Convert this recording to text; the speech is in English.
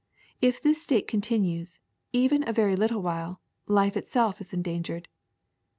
If this state con tinues even a very little while, life itself is en dangered.